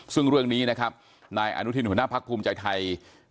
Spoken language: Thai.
ซึ่งเรื่องนี้นะครับนายอนุทินหัวหน้าพักภูมิใจไทย